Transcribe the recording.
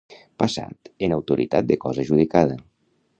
Passat en autoritat de cosa judicada.